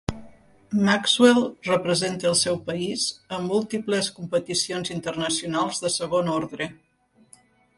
Maxwell representa el seu país a múltiples competicions internacionals de segon ordre.